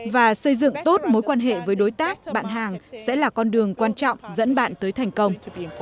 và xây dựng tốt mối quan hệ với đối tác bạn hàng sẽ là con đường quan trọng dẫn bạn tới thành công